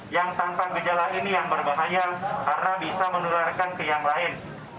yang tanpa gejala ini yang berbahaya karena bisa menularkan ke yang lain